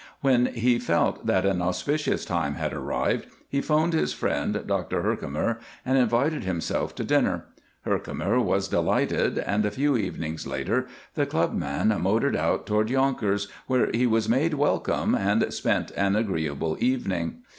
When he felt that an auspicious time had arrived, he 'phoned his friend, Dr. Herkimer, and invited himself to dinner. Herkimer was delighted, and a few evenings later the clubman motored out toward Yonkers, where he was made welcome and spent an agreeable evening.